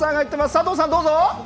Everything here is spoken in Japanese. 佐藤さん、どうぞ。